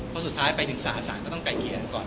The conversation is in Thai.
พอสุดท้ายไปถึงศาตร์ศาตร์ก็ต้องไกลกี่ครั้งก่อน